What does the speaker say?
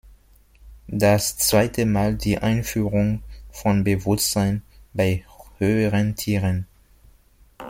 Das zweite Mal die Einführung von Bewusstsein bei höheren Tieren.